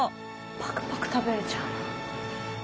パクパク食べれちゃうな。